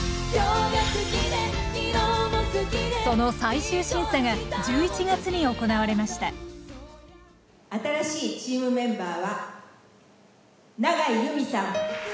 その最終審査が１１月に行われました新しいチームメンバーは永井結海さん。